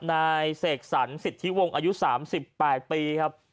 นายเสกสรรสิทธิวงศ์อายุ๓๘ปีครับ